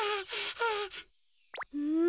うん？